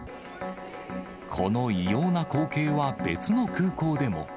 この異様な光景は、別の空港でも。